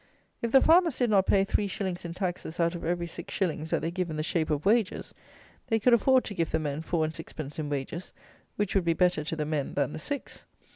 If the farmers did not pay three shillings in taxes out of every six shillings that they give in the shape of wages, they could afford to give the men four and sixpence in wages, which would be better to the men than the six.